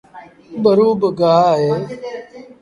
ٻرو باگآه اهي۔